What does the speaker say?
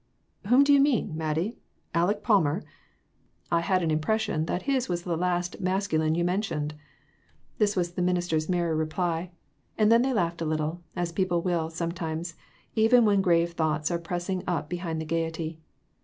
"Whom do you mean, Mattie, Aleck Palmer? I had an impression that he was the last mascu J. S. R. 431 line you mentioned." This was the minister's merry reply, and then they laughed a little, as people will, sometimes, even when grave thoughts are pressing up behind the gaiety.